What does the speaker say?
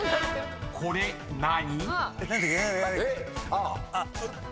⁉［これ何？］